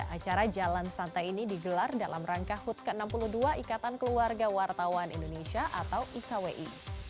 acara jalan santai ini digelar dalam rangka hut ke enam puluh dua ikatan keluarga wartawan indonesia atau ikwi